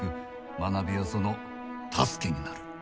学びはその助けになる。